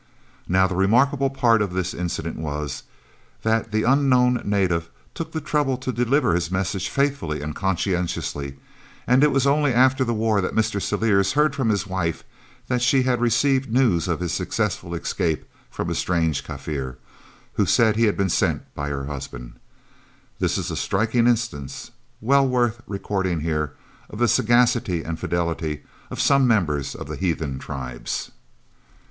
Now the remarkable part of this incident was, that that unknown native took the trouble to deliver his message faithfully and conscientiously, and it was only after the war that Mr. Celliers heard from his wife that she had received news of his successful escape from a strange Kaffir, who said he had been sent by her husband. This is a striking instance, well worth recording here, of the sagacity and fidelity of some members of the heathen tribes.